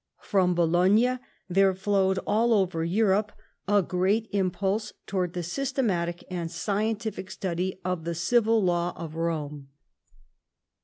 From Bologna there flowed all over Europe a great impulse towards the systematic and scientific study of the Civil Law of Rome.